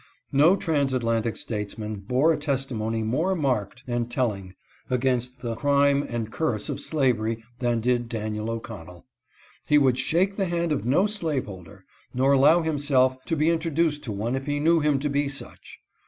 No transatlantic statesman bore a testimony more marked and telling against the crime and curse of slavery than did Daniel O'Connell. He would shake the hand of no slaveholder, nor allow himself to be introduced to one if he knew him to be such.